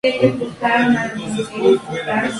Ambas producciones se grabaron.